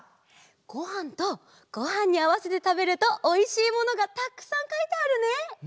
ごはんとごはんにあわせてたべるとおいしいものがたくさんかいてあるね！